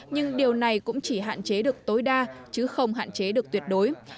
nhưng điều này cũng chỉ hạn chế được tối đa chứ không hạn chế được tuyệt đối